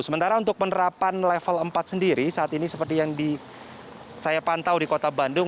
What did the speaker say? sementara untuk penerapan level empat sendiri saat ini seperti yang saya pantau di kota bandung